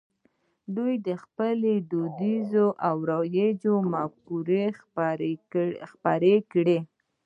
دوی خپلې دودیزې او رواجي مفکورې خپرې کړې.